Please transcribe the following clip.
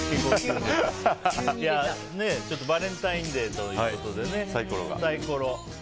ちょっとバレンタインデーということでサイコロ。